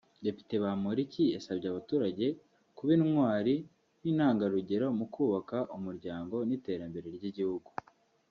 Depite Bamporiki yasabye abaturage kuba intwari n’intangarugero mu kubaka umuryango n’iterambere ry’Igihugu